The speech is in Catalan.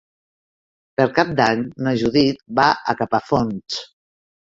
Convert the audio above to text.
Per Cap d'Any na Judit va a Capafonts.